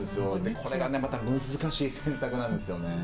これがまた難しい選択なんですよね。